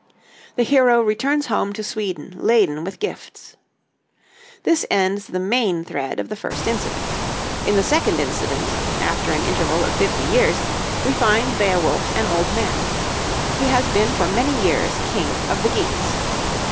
The hero returns home to Sweden laden with gifts. This ends the main thread of the first incident. In the second incident, after an interval of fifty years, we find Beowulf an old man. He has been for many years king of the Geats.